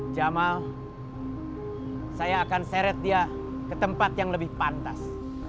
jamal saya akan seret dia ke tempat yang lebih pantas